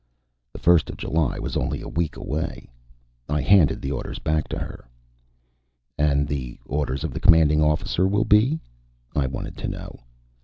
The first of July was only a week away. I handed the orders back to her. "And the orders of the Commanding Officer will be " I wanted to know.